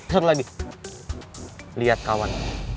satu lagi lihat kawan